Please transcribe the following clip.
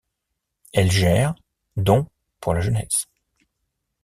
Elle gère dont pour la jeunesse.